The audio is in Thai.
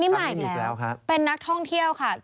นี่หมายถึงเป็นนักท่องเที่ยวค่ะ